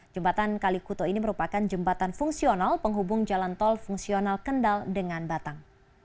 jembatan kalikuto ini merupakan jembatan fungsional penghubung jalan tol fungsional kendal dengan batang